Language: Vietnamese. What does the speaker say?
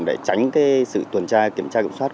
để tránh sự tuần tra kiểm tra kiểm soát